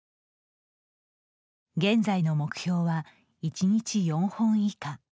現在の目標は１日４本以下。